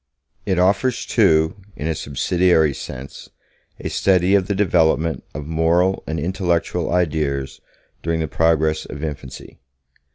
It offers, too, in a subsidiary sense, a study of the development of moral and intellectual ideas during the progress of infancy.